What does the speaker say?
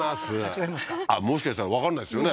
違いますかもしかしたらわかんないですよね